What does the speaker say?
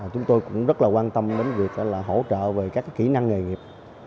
chúng tôi cũng rất là quan tâm đến việc hỗ trợ về các kỹ năng nghề nghiệp